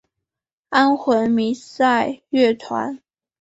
安魂弥撒乐团。